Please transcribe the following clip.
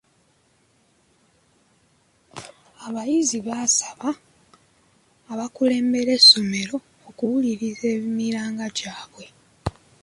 Abayizi baasaba abakulembera essomero okuwuliriza emiranga gyabwe.